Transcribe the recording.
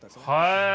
へえ！